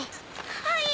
はい。